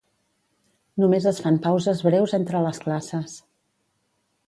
Només es fan pauses breus entre les classes.